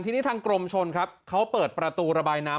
ทีนี้ทางกรมชนครับเขาเปิดประตูระบายน้ำ